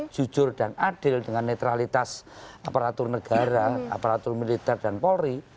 jujur dan adil dengan netralitas aparatur negara aparatur militer dan polri